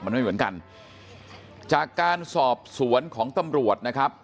มันไม่เหมือนกันจากการสอบสวนของตำรวจนะครับ